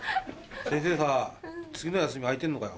先生さ次の休み空いてんのかよ？